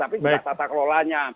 tapi tidak tata kelolanya